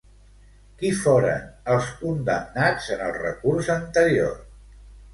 Qui foren els condemnats en el recurs anterior?